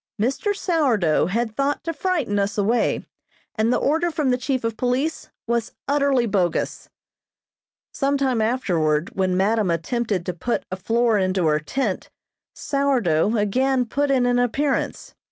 Mr. Sourdough had thought to frighten us away, and the order from the chief of police was utterly bogus. Some time afterward, when madam attempted to put a floor into her tent, "Sourdough" again put in an appearance.